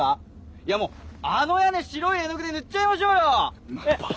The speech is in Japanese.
いやもうあの屋根白い絵の具で塗っちゃいましょうよ。